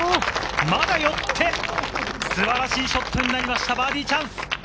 まだ寄って素晴らしいショットになりました、バーディーチャンス。